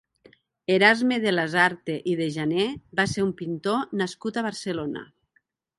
Erasme de Lasarte i de Janer va ser un pintor nascut a Barcelona.